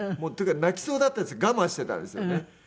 というか泣きそうだったんですけど我慢してたんですよね。